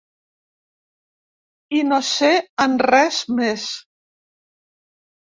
I no sé en res més.